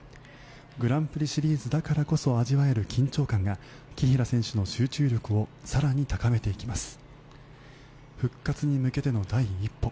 グランプリシリーズだからこそ味わえる緊張感が紀平選手の集中力を更に高めていきます。